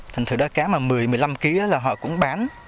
thành thử đó cá mà một mươi một mươi năm kg là họ cũng bán